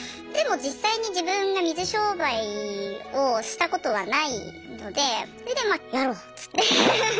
でも実際に自分が水商売をしたことはないのでそれでまあやろうっつって。